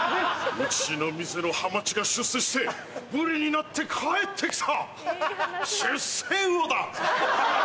うちの店のハマチが出世してブリになって帰ってきた！